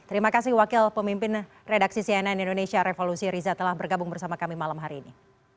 terima kasih wakil pemimpin redaksi cnn indonesia revolusi riza telah bergabung bersama kami malam hari ini